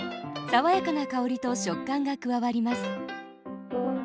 さわやかな香りと食感が加わります。